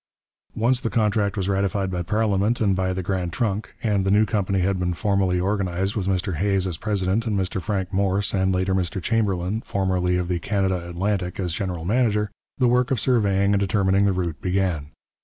Once the contract was ratified by parliament and by the Grand Trunk, and the new company had been formally organized with Mr Hays as president and Mr Frank Morse, and later Mr Chamberlin, formerly of the Canada Atlantic, as general manager, the work of surveying and determining the route began.